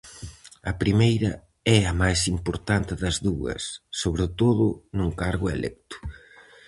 A primeira é a máis importante das dúas, sobre todo nun cargo electo.